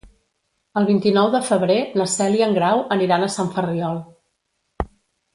El vint-i-nou de febrer na Cel i en Grau aniran a Sant Ferriol.